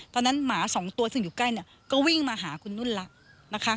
หมาสองตัวซึ่งอยู่ใกล้เนี่ยก็วิ่งมาหาคุณนุ่นแล้วนะคะ